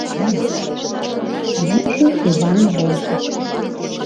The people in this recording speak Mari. Лӱмжӧ — Иван Волков.